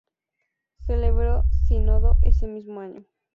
Celebró sínodo ese mismo año.